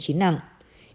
điều này có nghĩa